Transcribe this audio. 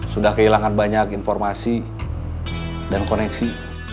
sudah kehilangan banyak informasi dan koneksi